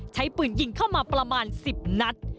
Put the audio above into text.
ใช้ปืนยิงเข้ามาประมาณ๑๐นัด